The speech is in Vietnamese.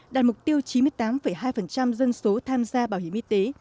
đạt mục tiêu chín mươi tám hai dân số tham gia bảo hiểm y tế